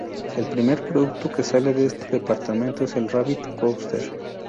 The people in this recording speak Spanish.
El primer producto que sale de este departamento es el "Rabbit Coaster".